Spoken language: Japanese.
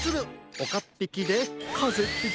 おかっぴきでかぜっぴき！